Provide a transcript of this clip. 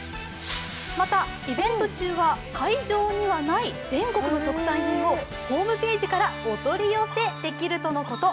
また、イベント中は会場にはない全国の特産品をホームページからお取り寄せできるとのこと。